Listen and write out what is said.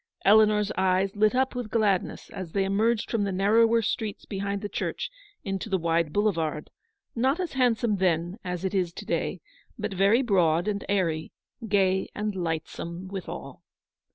Eleanor's eyes lit up with gladness as they emerged from the narrower streets behind the church into the wide boulevard, not as hand 72 some then as it is to day, but very broad and airy, gay and lightsome withal.